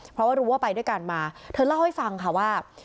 เพราะว่ารู้ว่าไปด้วยกันมาเธอเล่าให้ฟังค่ะว่า